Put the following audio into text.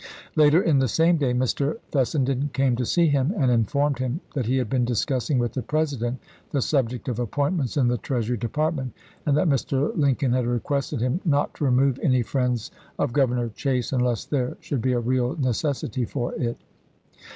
Later in the same day Mr. Fes senden came to see him, and informed him that he had been discussing with the President the subject of appointments in the Treasury Department, and that Mr. Lincoln had requested him not to remove any friends of Governor Chase unless there should be a real necessity for it.